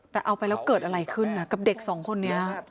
แต่เอาไปแล้วเกิดอะไรขึ้นนะกับเด็กสองคนนี้